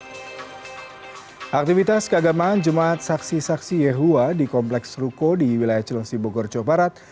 aktivitas keagamaan jemaat saksi saksi yehua di kompleks ruko di wilayah cilengsi bogor jawa barat